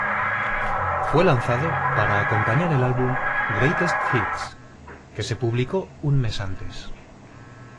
Fue lanzado para acompañar el álbum "Greatest Hits", que se publicó un mes antes.